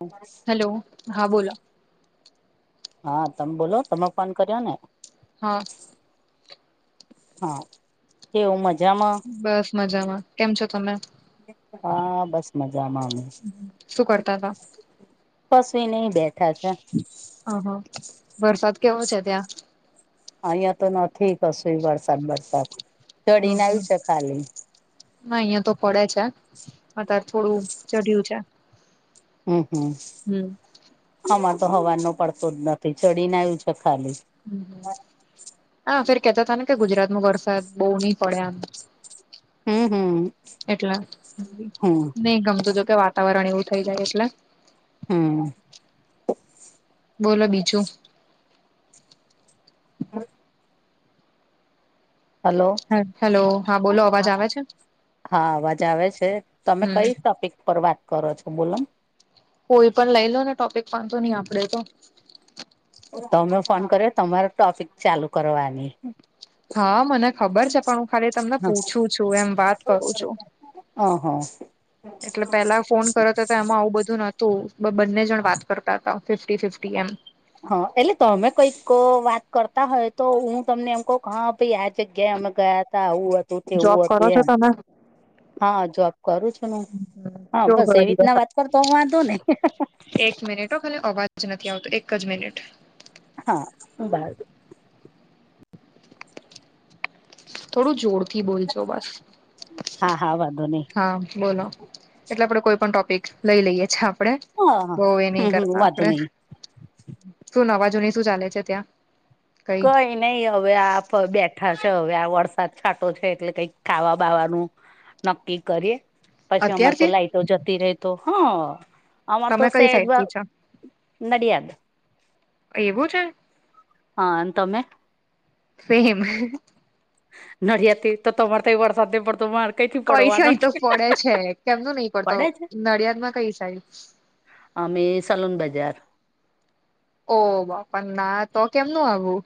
હમ [inaudible] hello હા બોલો. હા તમે બોલો તમે ફોન કર્યો ને. હા હા કેવું મજામાં. બસ મજામાં કેમ છો તમે. હા બસ મજામાં અમે. શું કરતા હતા કશુંય નહી બેઠા છે. અહ વરસાદ કેવો છે ત્યાં. અહિયાયા તો નથી કશું વરસાદ બરસાદ હ ચડીને હ આવ્યું છે ખાલી. ના અહિયાં તો પડે છે અત્યારે થોડું ચઢ્યું છે. હમ હમ. હમ. અમાર તો હવા રનો પડતો જ નથી ચડીને આવ્યું છે ખાલી. હા ફેર કેતા હતાા ને કે ગુજરાત માં વરસાદ બહુ નહી પડે આમ. હમ હમ. એટલે હમ નહ ગમતું જો કે વાતાવરણ એવું થઇ જાય એટલે. હમ બોલો બીજું? [inaudible] હલો? હેલો હા બોલો અવાજ આવે છે હા અવાજ આવે છે તમે હમ કઈ ટોપિક પર વાત કરો છો બોલો? કોઈ પણ લઈ લો ને ટોપિક વાંધો નહી આપડે તો. તોમે ફોન કર્યો તમારે ટ્રોફિક ચાલુ કરવાની. હા મને ખબર છે પણ હું ખાલી તમને પૂછું છું એમ વાત કરું છું. હ હા. એટલે પેલા ફોન કરતો હતા એમાં આવું બધું ન- - તો બંને જણ વાત કરતા હતા ફિફ્ટી ફિફ્ટી એમ. હા એટલે તમે કઈક વાત કરતા હોય તો હું તમને એમ કહ હા ભ યાદ- - ગ્યામ ગયા હતા આવું હતું જોબ તેવું કરો હતું છો એમ. તમે હા જોબ કરું છું ન હા કેવો બસ ગયો એવી રીતના દિવસ વાત કરતો હું વાંધો નહી. એક મિનિટ હો ખાલી અવાજ નથી આવતો એક જ મિનિટ. હા બાર. થોડું જોરથી બોલજો બસ હા હા વાંધો નહી હા બોલો? એટલે આપડે કોઈ પણ ટોપિક લઈ લઈએ આપડે હા હા બહ એ હમ નહી હમ કરતા વાંધો આપડે. નહી શું નવાજૂની શું ચાલે છે ત્યાં? કઈ કોઈ ન. નહી હવે આ બેઠા છે હવે આ વરસાદ છાંટો છે એટલે કઈક ખાવા બાવાનું. નક્કી કરીએ પછી અમાર તો અત્યારથી લાાઈટો જતી ર તો હા. અર તો તમે કઈ સજ સાઈડ થી છો નડિયાદ. એવું છે. હા તમે? સેમ. નડિયાતી તો તમાર તો એ વરસા દે બર્તમાંર- - કઈ છેય તો પડે છે કેમનું નહીિ પડતો પડે છે નડિયાદમાં કઈ સાઈડ? અમે સલુન બજાર. ઓહ બાપા ના તો કેમનું આવું?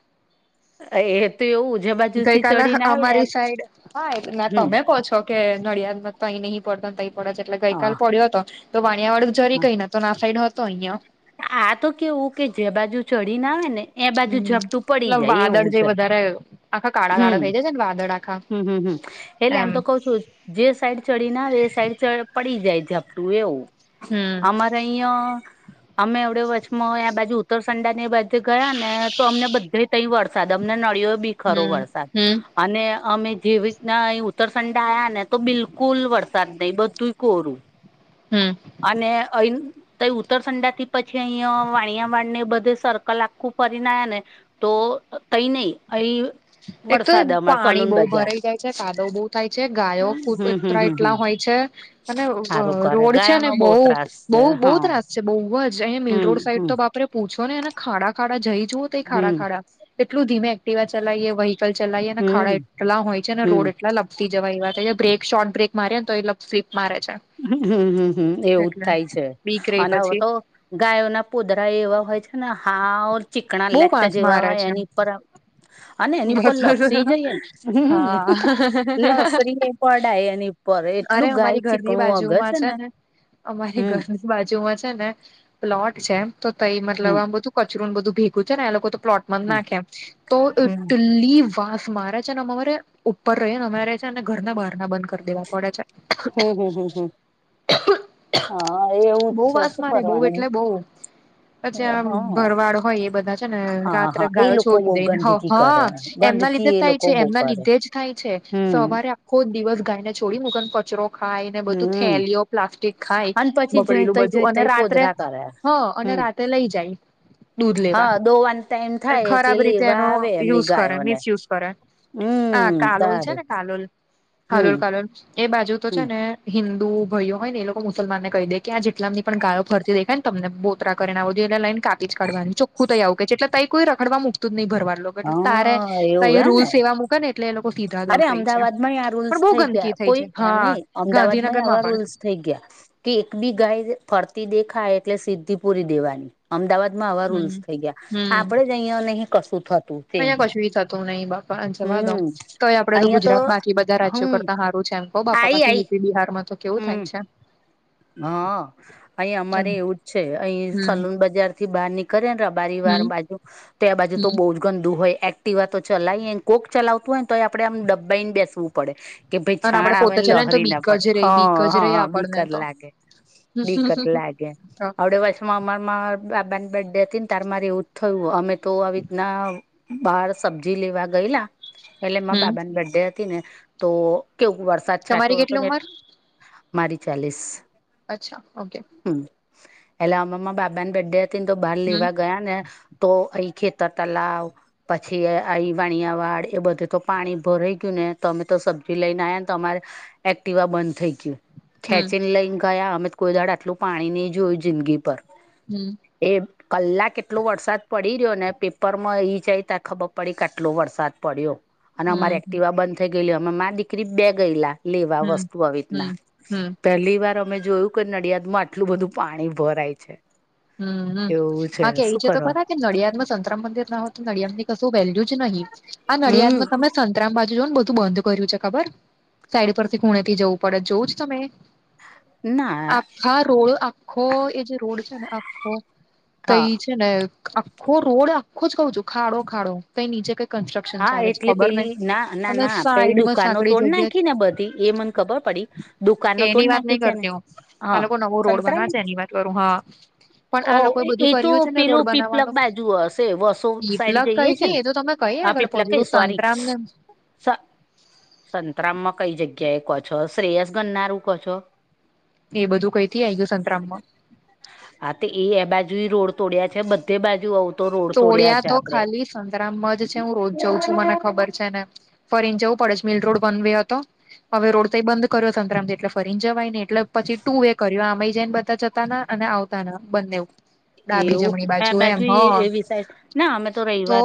એ તો એવું જે બાજ ગઈ કલે અમારી સાઈડ હા એ હમ તમે કહો છો? કે નડિયાદમાં તો અહીં નહીં પડતો તઇ પડે એટલે હા ગઈકાલ પડ્યો હતો તો વાણિયા વાળું જરી હા. કઈ નથી. તો ના સાઈડ હતો અહ્યા. આ તો કેવું કે જે બાજુ ચડીને આવે ને એ બાજુ હમ્મ ઝપટું પડી એલ જાય વાદળ એવું જે છે વધારે આખા કાળા કાળા થઈ જાય છે ને વાદળ આખા. હમ્મ હમ્મ એટલે આમ એમ તો કઉ છું જ. જે સાઈડ ચડી ના આવે એ સાઈડ પડી જાય ઝપટું એવું. હમ્મ. અહી અમે એવડે વચમાં બાજુ ઉત્તરસંડા ને બાજુ ગયા ને તો અમને બધે તઈ વરસાદ અમને નળીયો બી ખરો હમ વરસાદ હમ અને અમે જેવી ના ઉત્તરસંડા આયા ને તો બિલકુલ વરસાદ નહી બધુંય કોરું. હમ્મ. અને અઈન તઇ ઉત્તરસંડા થી પછી અહં વાણિયા વાડને બધે સર્કલ આખું ફરીને આવ્યા ને તો તઈ નહી અહીં [inaudible] એક તો પાણી બહુ ભરાઈ જાય છે કાદો બહુ થાય છે ગાયો હમ હમ કુતરા હમ હમ એટલા હોય છે. અને ભ સારું કરે રોડ છે ગાયો ને નો બહુ બહ ત્રાસ બહુ છે બહુ હા ત્રાસ છે બહુ જ અહી મિલ હમ રોડ સાઈડ હમ તો બાપ પૂછો ને એ ખાડા ખાડા જઈ જુઓ તો ખાડા હમ ખાડા એટલું ધીમે એક્ટવા ચલાવીએ વ્હીકલ ચલાવીએ અને ખાડા હમ એટલા હોય છે અને હમ રોડ એટલા લ લપસી જવા એ વાત બ્રેક શોર્ટ બ્રેક મારે તો એ લપસી સ્લીપ મારે છે. હમ્મ હમ્મ હમ્મ એવું જ એટલે થાય છે બીક રહી અને હ પછી તો ગાયોના પોદરા એવા હોય છે ને હાવ ચીકણા બહુ લેટટ વાસ જેવા મારે હોય છે એની પર અને એની પર બસ લપસી જઈએને હા લસરી એ પડાય એની પર એટલું ગાય ચી ની બાજુ માં છે ને અમારી હમ ઘર બાજુમાં છે ને પ્લોટ છે તો તઇ મતલબ હમ આમ બધું કચ કચરો ને બધું ભેગું છે ને એ લોકો તો પ્લોટમાં જ હમ નાખે તો હમ લલી વાસ મારે છે. એમ અમારે ઉપર રહીયે અમારે છેને ઘરના બહારણા બંધ કરી દેવા પડે છે. હમ હમ હમ હા એવું જ બહુ છે વાસ શું મારે બહું કરવાનું એટલે બહુ. પછી આ હા ભરવાડ હોય એ બધા છે ને હા રાત્રે હા એ ગાયો લોકો છોડી બહુ દઈને ગંદકી હવાર કરે હા એમના લીધે ગંદકી જ એ થાય લોકો છે બહુ એમના કરે લીધે જ થાય છે હમ સવારે આખો દિવસ ગાય ને છોડી મૂકેન કચરો ખાય ને બધું હમ થેલીયો પ્લાસ્ટિક ખાય અને પછી જઈ બગડેલું તઈ જઈ બધું અને તઈ રાત્રે પોદરા કરે હ અને હમ રા તે લઈ જાય દૂધ લેવા હા દોવાનો ટાઈમ થાય એટલે ખરાબ રીતે લેવા એનો આવે એમની યુઝ કરે ગાયોને મિસયુઝ કરે આ હમ કાલોલ છે તારે ને કાલોલ હાલોલ હમ કાલોલ. એ બાજુ તો હમ છે ને હિન્દુ ભાઈઓ હોય ને એ લોકો મુસલમાનને કહી દે કે આ જેટલા ની પણ ગાયો ફરતી દેખાય ને તમને ને એટ લાઈન કાપી કાઢવાની ચોખ્ખું તઇ આવું કહે છે એટલે તઈ કોઈ રખડવા મકતું નહીં ભરવાડ લોકો તારે હા એવું હે ને રૂલ્સ એવા મૂકે ને એટલે એ લોકો સીધા દોર અરે રહી છે અમદાવાદમાંય આ રૂલ્સ પણ બહુ થઈ ગયા ગંદકી કોઈ છે એમ હા નહ અમદાવાદમાંય ગાંધીનગર માં આવા પણ રૂલ્સ થઈ ગયા. કે એક બી ગાય ફરતી દેખાય એટલે સિદ્ધિ પૂરી દેવાની. અમદાવાદ માં આવા રૂલ્સ હમ થઈ ગયા આપડે જ અહીયા અને અહી કશું થતું. ચેન્જ અહીયા કશી થતું નહી બાપા જવા દો. હમ તોય આપડ તો ગુજરાત બાકી બધા રાજ્યો હમ કરતા હારું છે ઓહ બાપા આઈ બાકી આઈ યુપી બિહારમાં તો કેવું હમ થાય છે હા અહીં અમારે હમ એવું જ છે અહી હમ સલૂન બજાર થી બહાર નીક કરે ને ર બરિવાર હમ બાજુ તો એ બાજુ હમ તો બુ જ ગંદુ હોય એક્ટિવા તો ચલાય કોક ચલાવતું હોય ને તો એ આપડણે આમ ડબ્બા ને બેસવું પડે કે ભાઈ અને છાણ આપડે આવે પોતે ને ચલે તો લહરી ના બીક પડે જ હ રહી બીક જ હા રહી હ આપણને બીકર તો લાગે બક્ત લાગે થોડ વર્ષમાં અમારા બાબા ની બેડ ડે હતી ને તાર મારે એવું જ થયું અમે તો આવી રીતના બાર સબ્જી લેવા ગયેલા એટલે માં હમ બાબાની બર્ ડે હતી ને તો કેવું વરસાદ છાંટો તમારી હતો કેટલી ને ઉંમર એટલ મારી ચાલીસ અચ્છા ઓકે હમ એટલે અમાં બાબા ને બેડ્ડે હતી ને તો બહાર હમ લેવા ગયા ને તો એ ખેતર તલાવ પછી આઈવાણિયા વાળ એ બધું તો પાણી ભરાઈ ગયું ને તમે તો સબ્જી લઈને આવ્યા ને તમારે એક્ટિવા બંધ થઈ ગયું હમ ખેંચીને લઈને ગયા અમે કોઈ દાડ આટલું પાણી નહી જોયું જિંદગી પર હમ એ કલાક એટલો વરસાદ પડી રહ્યો ને પેપરમાં ઈ જાય ત ખબર પડી આટલો વરસાદ પડ્યો અને અમારે હમ હમ એક્ટિવા બંધ થઈ ગયેલી અમે મા દીકરી બે ગયેલા લેવા હમ વસ્તુ આવી હમ રીતના પહેલી વાર અમે જોયું કે નડિયાદમાં આટલું બધું પાણી ભરાય છે. હમ એવું બાકી એ શું છે તો કરવા ખા નડિયાદમાં સંતરામ મંદિર ના હોય તો નડિયાદ ની કશું વેલ્યુ જ નહીિ આ હમ નડિયાદમાં તમે સંતરામ બાજુ જો ને બધું બંધ કર્યું છે ખબર સાઈડ પરથી ખુણે થી જવું પડે જોવું જ તમે ના હા રોડ આખો એ જે રોડ છે ને આખો હા તઈ જ ને આખો રોડ આખો જ કઉ છું ખાડો ખાડો કઈ નીચે કઈ કન્સ્ટ્રક્શન હા ચાલે છે એટલે ખબર નહ પેલી ના ના અને ના પેલી સાઈડ દુકાનો સાંકળ તોડ જગ્યા જ નાખી ને બધી એ મને ખબર પડી દુકાનો એની તોડ વાત નાખી નઈ છે ને કરતી હ હા આ લોકો નવો રોડ સંતરામ બનાવે છે એની વાત કરું હા પણ ઓ આ લોકોએ બધું એ તો કર્યું છે ને રોડ પેલું પીપલક બનાવવાનું બાજુ હશે વસો સાઈડ પીપલગ જઈએ છે કઈથી ને એ તો તમે કઈ આપ આગળ પીપ લ પહોંચી કઈ ગયું સરી સંતરામ ને સ સંતરામમાં કઈ જગ્યા એ કહો છો શ્રેયસ ગનનારું કહો છો એ બધું કઈ થી આ ગયું સંતરામ માં હા તો એ એ બાજુ રોડ તોડયા છે બધે બાજુ આવ તો રોડ તોડયા છે આપડે સંતરાામમાં જ છે હું રોજ જઉં છું મને ખબર છે ને ફરીને જવું પડે જ મિલ રોડ બનવ હતો. હવે રોડતાઈ બંધ કર સંતરામ એટલે ફરીને જવાય ને એટલે પછી ટુ વે કર્યો આમાં જઈને બધા જતા અને આવતા ના બંને એવું ડાબી એવું જમણી આ બાજુ એમ એ હો- એવી ના અમે તો રહીએ તો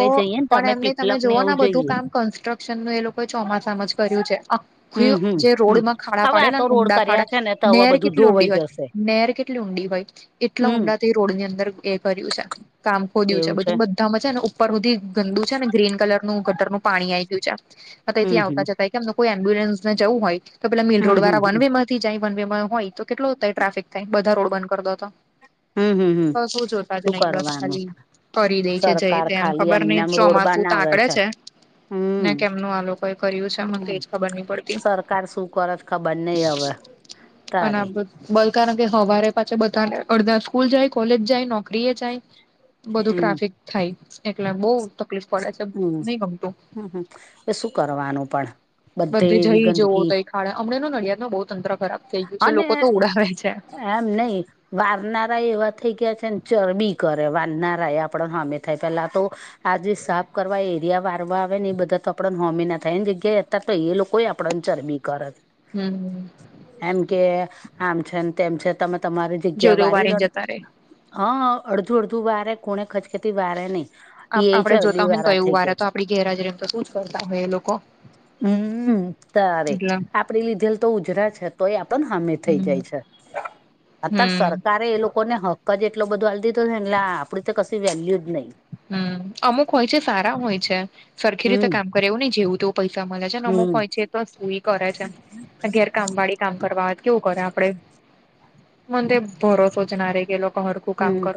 પણ એમને તમે જોઓ ના બધું જઈએ કામ કન્સ્ટ્રક્શનનુંું એ લોકોએ ચોમાસામાં જ કર્યું છે. આખી હમ હમ જે રોડ હમ માં ખાડા હવે આ પડેલા તો ને રોડ ઊંડા કર્યા ખાડા છે ને તો હવે નેર બધું કેટલી ઊંડી ધોવાઈ હોય જશે નેર કેટલી ઊંડી ભાઈ એટલા હમ ઊંડા રોડ ની અંદર એ કર્યું છે કામ ખોદ્યું છે બધુંધ છે ને ઉપર સુધી ગંદુ છે ને ગ્રીન કલર નું ગટરનુંું પાણી આવી ગયું છે એથી હમ હમ આવતા જતા એમને કોઈ એમ્્યુલન્સને જવું હોય તો પેલા મિલ હમ રડ હમ દરાન હમ થી જાય બન હોય તો કેટલોાય ટ્રાફિક થાય બધા રોડ બંધ કરતા હતા હમ હમ હમ બ શું જોતા જ શું નહીં બસ કરવાનું ખાલી કરી દે છે જઈ સરકાર તે એમ ખાલી ખબર એમને નહ એમ રોડ ચોમાસું તો બનાવે આકળે છે. ને હમ કેમનું આ લોકો એ કર્યું છે મને હમ એજ ખબર નહી પડતી સરકાર શું કરત ખબર નહી હવે તારી બલકારણ કે હવારે પાછ બધાને અડધા સ્કૂલ જાય કોલેજ જાય નોકરી એ જાય બધું હમ ટ્રાફિક થાય એકલા બઉ તકલીફ પડે છે હમ નહી ગમતુ હમ હમ એ શું કરવાનું પણ બધે એવી જઈ જવો ગંદકી તો એ ખાડાે હમણાં ન નડિયાદ ન બહુ તંત્ર ખરાબ થઈ ગયું છે અને લોકો તો ઉડાવે છે એમ નહ વારનારા એવા થઈ ગયા છેને, ચરબી કરે વારનારા એ આપણ સામે થાય પેલા તો આજે સાફ કરવા એરિયા વારવા આવે ને એ બધા તો આપડા હોમી ના થાય એ જગ્યાએ ત તો એ લોકોઈ આપણાને ચરમીકારત હમ્મ એમ કે આમ છેમ તેમ છે, તમે તમારી જેવ જગ્યા તેવું વારી વારે લો ને જતા રે હા અડધું અડધું વારે કોણે ખચકેતી વારે નહી એ આપડે જોતા ચરબી હોય ને વારા કયું થઈ વારે ગયા તો છે આપડી ગેરહાજરી એમ તો શું જ કરતા હોય એ લોકો હમ તારે એટલે આપડે લીધેલ તો ઉજરા છે. તો એ આપ હમેી થઈ હમ જાય છે, અત્યારે હમ સરકાર તરે એ લોકો ને હક્ક જ એટલો બધો હ દીધો છે, એટ આપડી તો કશી વેલ્યુ જ નહી. હમ અમુક હોય છે સારા હોય છે, સરખી રીતે હમ કામ કરે એવું નહી જેવું તુ પૈસા મળે છે ને અમુક હમ હોય છે, તો સુુંઈ કરે છે ઘેર કામ વાળી કામ કરવા કેવું કરે આપડે મન ભરોસો જનારે કે લોકો હર હમ્મ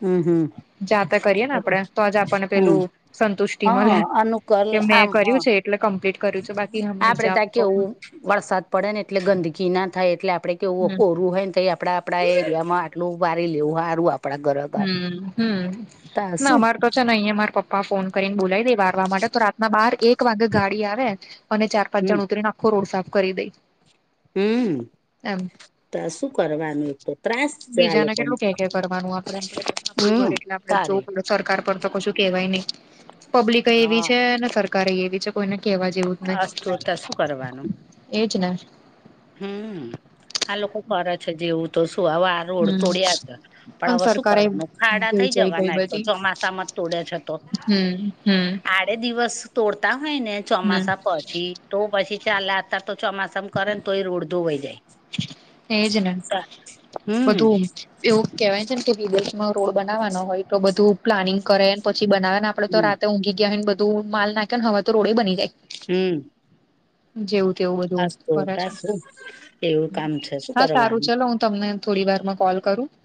હમ્મ હમ્મ જાતે કરીએ ને આપણે તો જ આપણને પેલું સંતુષ્ટિ હા મળે અનુકલ કે આમ મેં હ કર્યું છે. એટલે કમ્પ્લીટ કર્યું છુ, બાકી આપડે હમીજા ત્યાં કેવું વરસાદ પડે ને એટલે ગંદકી ના થાય એટલે આપડે કેવું હમ કોરું હોય ને થ આપડા આપણા એરિયામાં આટલું વાારી લેવું સારુ આપ હમ હમ તા ના શું અમાર તો છે, ન અં અમારે પપ્પા ફોન કરીને બોલાય વારવા માટે તો રાતના બાર એક વાગે ગાડી આવે અને ચાર પાંચ હમ જણ ઉતરી ના રોડ સાફ કરી દઈ હમ્મ એમ તો શું કરવાનું તો ત્રાસ છે આ બીજાને લોકોનુ કેટલું કે કે કરવાનું આપડે એટલે આપ જો સરકાર પર તો કશું કેવાય નહી પબ્લિક એવી હા છે. ને સરકારે એવી છે, કોઈને કહેવા જેવું જ નહીિ અસ્તુ તો શું કરવાનું એજ ને હમ આ લોકો કરે છે જેવું તો શું અવા રોડ હમ તોડ્યા છે પણ હવે શું કરવાનું ખાડા થઈ વેચાઈ જવાના તો ચોમાસામાં જ તોડ્યા છે. તો હમ્મ હમ્મ આડે દિવસ તોડતા હોય ને ચોમાસા પછી તો પછી ચાલતા તો ચોમાસામાં કરે ને તો એ રોડ ધોવાઈ જાય. એજ ને હમ બધુ એવું કહેવાય છેને, કે વિદેશમાં રોડ બનાવવાનો હોય તો બધું પ્લાનિંગ કરે પછી બનાવાના આપડે તો હમ રાતે ઊંઘી ગયા હોયને બધું માલ નાખે ને હવે તો રોડે બની જાય. હમ્મ જેવું તેવું બધું કરે છે. એવુ હા સારું ચલો હું તમને થોડી વારમાં કોલ કરુ